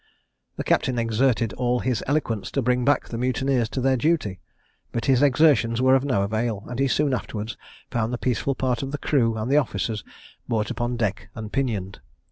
The captain exerted all his eloquence to bring back the mutineers to their duty, but his exertions were of no avail, and he soon afterwards found the peaceful part of the crew and the officers brought upon deck and pinioned.